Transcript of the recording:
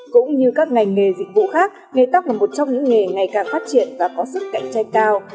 cũng như các ngành nghề dịch vụ khác nghề tac là một trong những nghề ngày càng phát triển và có sức cạnh tranh cao